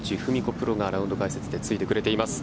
プロがラウンド解説でついてくれています。